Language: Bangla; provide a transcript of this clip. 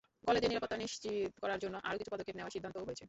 কলেজের নিরাপত্তা নিশ্চিত করার জন্য আরও কিছু পদক্ষেপ নেওয়ার সিদ্ধান্তও হয়েছে।